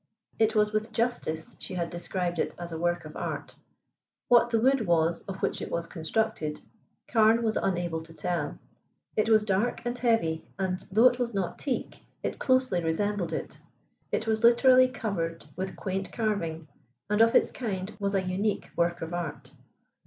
It was with justice she had described it as a work of art. What the wood was of which it was constructed Carne was unable to tell. It was dark and heavy, and, though it was not teak, it closely resembled it. It was literally covered with quaint carving, and of its kind was an unique work of art.